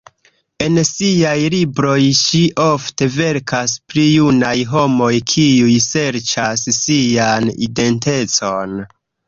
En siaj libroj ŝi ofte verkas pri junaj homoj, kiuj serĉas sian identecon.